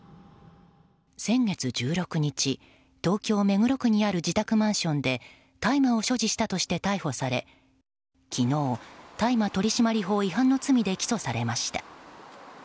先月１６日、東京・目黒区にある自宅マンションで大麻を所持したとして逮捕され昨日、大麻取締法違反の罪で起訴されました。